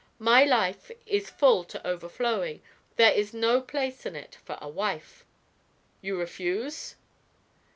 My life is full to overflowing; there is no place in it for a wife." "You refuse?"